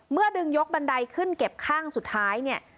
ดึงยกบันไดขึ้นเก็บข้างสุดท้ายเนี่ย